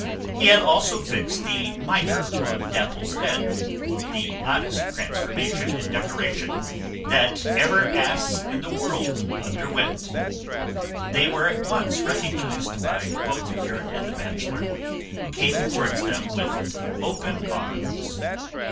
He had also fixed the mitre on Dapple's head, the oddest transformation and decoration that ever ass in the world underwent. They were at once recognised by both the curate and the bachelor, who came towards them with open arms.